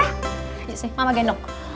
terima kasih mama genuk